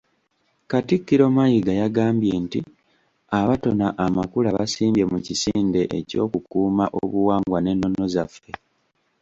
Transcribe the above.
Katikkiro Mayiga yagambye nti abatona amakula basimbye mu kisinde eky'okukuuma obuwangwa n’ennono zaffe.